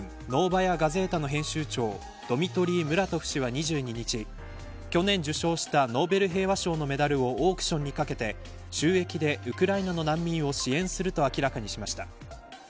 ノーバヤ・ガゼータの編集長ドミトリー・ムラトフ氏は２２日去年受賞したノーベル平和賞のメダルをオークションにかけて収益でウクライナの難民を支援すると明らかにしました。